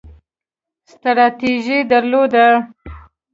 ستراتیژي درلوده